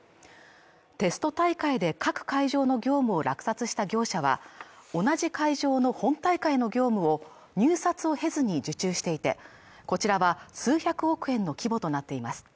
テスト大会で各会場の業務を落札した業者は同じ会場の本大会の業務を入札を経ずに受注していてこちらは数百億円の規模となっています